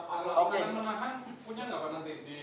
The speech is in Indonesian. punya tidak nanti di tahap penuntut apa